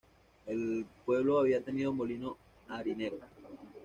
El pueblo había tenido molino harinero.